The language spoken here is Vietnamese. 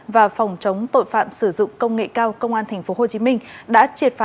và phòng chống tội phạm sử dụng công nghệ cao công an tp hcm